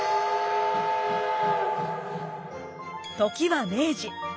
時は明治。